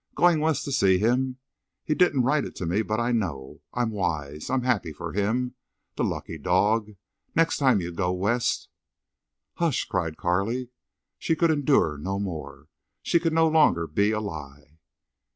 Going West to see him! He didn't write it to me, but I know.... I'm wise. I'm happy for him—the lucky dog. Next time you go West—" "Hush!" cried Carley. She could endure no more. She could no longer be a lie.